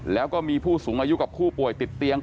แล้วก็มีผู้สูงอายุกับผู้ป่วยติดเตียง